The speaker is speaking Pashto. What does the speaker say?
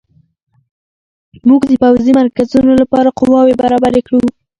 موږ د پوځي مرکزونو لپاره قواوې برابرې کړو.